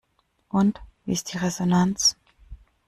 Und wie ist die Resonanz?